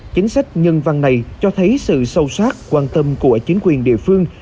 chính sách nhân văn này cho thấy sự sâu sát quan tâm của chính quyền địa phương